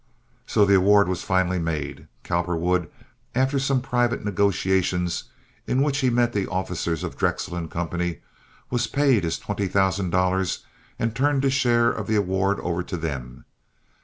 So the award was finally made; Cowperwood, after some private negotiations in which he met the officers of Drexel & Co., was paid his twenty thousand dollars and turned his share of the award over to them.